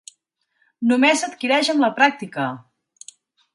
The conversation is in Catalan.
Només s’adquireix amb la pràctica!